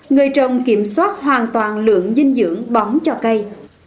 người trồng kiểm soát hoàn toàn lượng dinh dưỡng bóng cho cây